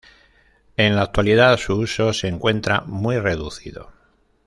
En la actualidad su uso se encuentra muy reducido.